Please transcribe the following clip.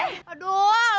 tidak ada yang bisa dipercaya